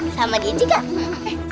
eh sama gici gak